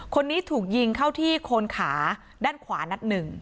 คนนี้ถูกยิงเข้าที่โคนขาด้านขวานัดหนึ่ง